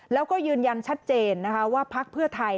แล้วก็ยืนยันชัดเจนนะคะว่าพักเพื่อไทย